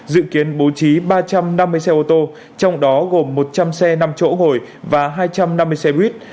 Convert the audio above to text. dự kiến bố trí ba trăm năm mươi xe ô tô trong đó gồm một trăm linh xe năm chỗ ngồi và hai trăm năm mươi xe buýt